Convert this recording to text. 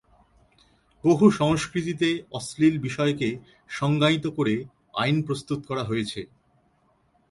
বহু সংস্কৃতিতে অশ্লীল বিষয়কে সংজ্ঞায়িত করে আইন প্রস্তুত করা হয়েছে।